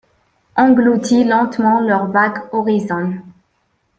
Engloutit lentement leurs vagues horizons ;